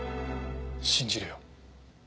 信じるよ。